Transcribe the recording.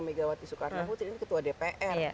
megawati soekarno putri ini ketua dpr